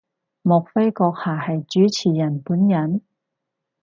莫非閣下係主持人本人？